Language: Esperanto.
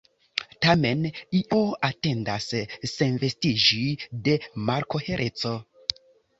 Tamen io atendas senvestiĝi de malkohereco.